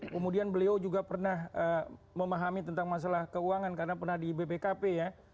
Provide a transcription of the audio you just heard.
kemudian beliau juga pernah memahami tentang masalah keuangan karena pernah di bpkp ya